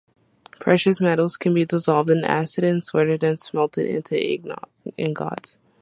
Precious metals can be dissolved in acid, sorted, and smelted into ingots.